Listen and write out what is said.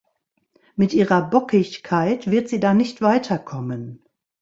Mit ihrer Bockigkeit wird sie da nicht weiterkommen.